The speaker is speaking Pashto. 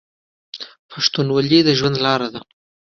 پښتونولي د ژوند لاره ده.